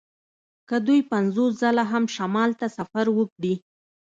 که دوی پنځوس ځله هم شمال ته سفر وکړي